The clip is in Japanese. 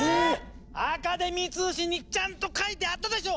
アカデミー通信にちゃんと書いてあったでしょ！